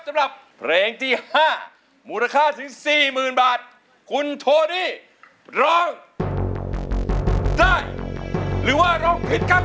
สำหรับเพลงที่๕มูลค่าถึงสี่หมื่นบาทคุณโทดี้ร้องได้หรือว่าร้องผิดครับ